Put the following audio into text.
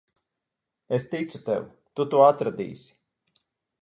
Es ticu tev. Tu to atradīsi.